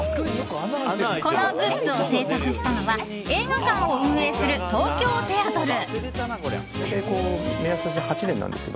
このグッズを製作したのは映画館を運営する東京テアトル。